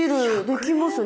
できますよね。